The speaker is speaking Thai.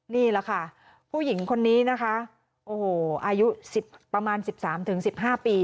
นี่แหละค่ะผู้หญิงคนนี้นะคะโอ้โหอายุประมาณ๑๓๑๕ปี